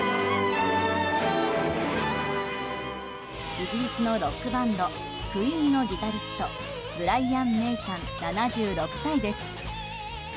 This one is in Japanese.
イギリスのロックバンドＱＵＥＥＮのギタリストブライアン・メイさん７６歳です。